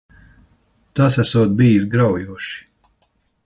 Tas esot bijis graujoši.